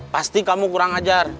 pasti kamu kurang ajar